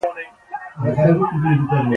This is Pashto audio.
نن یې اوږې درنې دي.